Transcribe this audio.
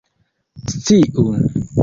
sciu